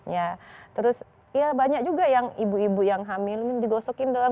ya terus ya banyak juga yang ibu ibu yang hamil digosokin dong